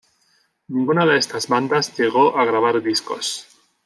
Ninguna de estas bandas llegó a grabar discos.